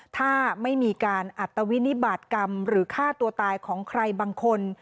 ถ้าไม่มีการอัตวินิบาตกรรมหรือฆ่าตัวตายของใครบางคน